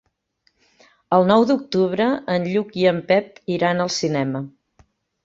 El nou d'octubre en Lluc i en Pep iran al cinema.